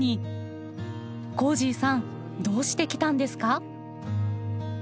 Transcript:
こーじぃさんどうして来たんですか？